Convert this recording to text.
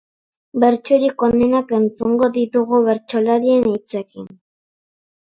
Bertsorik onenak entzungo ditugu bertsolarien hitzekin.